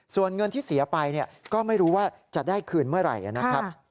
ส่วนเงินที่เสียไปก็ไม่รู้ว่าจะได้คืนเมื่อไหร่นะครับ